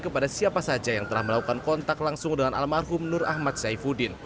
kepada siapa saja yang telah melakukan kontak langsung dengan almarhum nur ahmad saifuddin